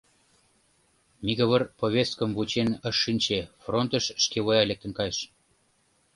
Микывыр повесткым вучен ыш шинче, фронтыш шкевуя лектын кайыш.